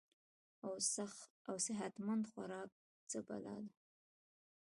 او صحت مند خوراک څۀ بلا ده -